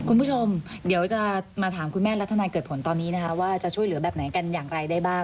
คุณผู้ชมเดี๋ยวจะมาถามคุณแม่รัฐนาเกิดผลตอนนี้นะคะว่าจะช่วยเหลือแบบไหนกันอย่างไรได้บ้าง